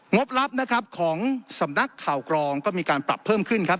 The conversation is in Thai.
บลับนะครับของสำนักข่าวกรองก็มีการปรับเพิ่มขึ้นครับ